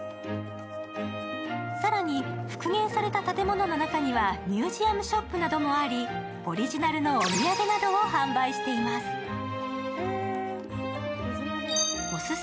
更に、復元された建物の中にはミュージアムショップなどもあり、オリジナルのお土産などを販売しています。